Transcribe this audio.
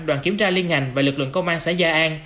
đoàn kiểm tra liên ngành và lực lượng công an xã gia an